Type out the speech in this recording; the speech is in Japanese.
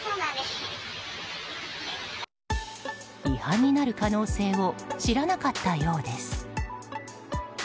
違反になる可能性を知らなかったようです。